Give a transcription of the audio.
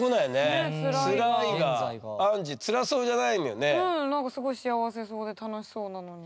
ねえ何かすごい幸せそうで楽しそうなのに。